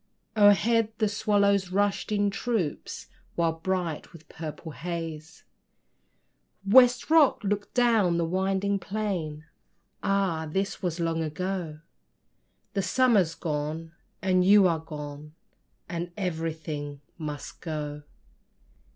O'erhead the swallows rushed in troops, While bright with purple haze, West Rock looked down the winding plain Ah! this was long ago; The summer's gone, and you are gone, As everything must go.